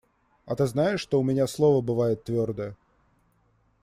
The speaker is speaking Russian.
А ты знаешь, что у меня слово бывает твердое?